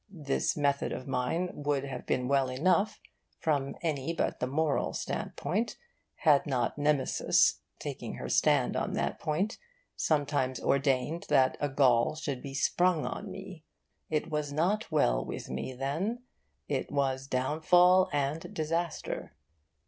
This method of mine would have been well enough, from any but the moral standpoint, had not Nemesis, taking her stand on that point, sometimes ordained that a Gaul should be sprung on me. It was not well with me then. It was downfall and disaster.